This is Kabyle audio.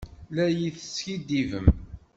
La yi-teskiddibem?